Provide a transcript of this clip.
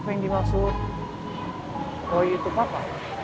kok yang dimaksud roy itu papa